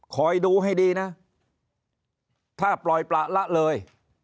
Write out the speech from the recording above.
คอยดูให้ดีนะถ้าปล่อยประละเลย